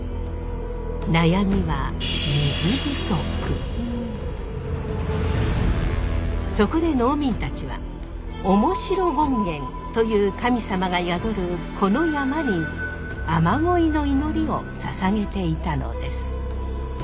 悩みはそこで農民たちは面白権現という神様が宿るこの山に雨乞いの祈りをささげていたのです。